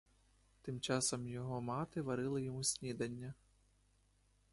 Тим часом його мати варила йому снідання.